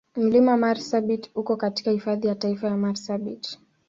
Mlima Marsabit uko katika Hifadhi ya Taifa ya Marsabit.